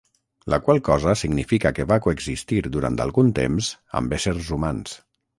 La qual cosa significa que va coexistir durant algun temps amb éssers humans.